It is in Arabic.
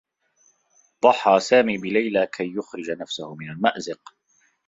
ضحّى سامي بليلى كي يُخرج نفسه من المأزق.